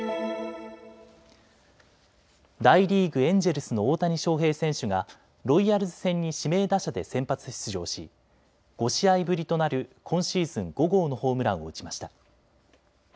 大リーグ、エンジェルスの大谷翔平選手がロイヤルズ戦に指名打者で先発出場し５試合ぶりとなる今シーズン５号のホームランを打ちました。